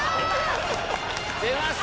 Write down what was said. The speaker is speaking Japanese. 出ました！